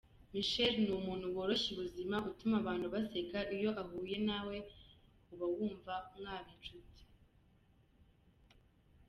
Michel ni umuntu woroshya ubuzima, utuma abantu baseka, iyo uhuye nawe ubawumva mwaba inshuti.